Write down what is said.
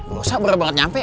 gak usah berat banget nyampe